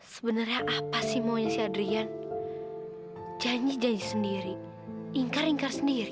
sebenarnya apa sih maunya syadrian janji janji sendiri ingkar ingkar sendiri